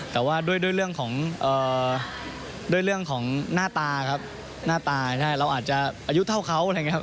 แต่ว่าด้วยเรื่องของหน้าตาครับเราอาจจะอายุเท่าเขาอะไรอย่างนี้ครับ